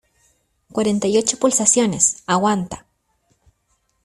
cuarenta y ocho pulsaciones. aguanta .